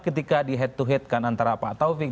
ketika di head to head kan antara pak taufik